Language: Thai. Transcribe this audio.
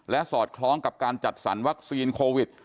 สอดคล้องกับการจัดสรรวัคซีนโควิด